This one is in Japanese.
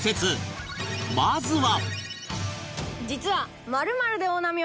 まずは